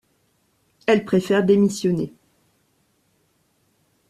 Elle préfère démissionner.